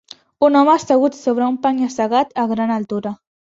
Un home assegut sobre un penya-segat a gran altura.